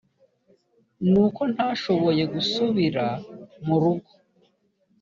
ni uko ntashoboye gusubira mu rugo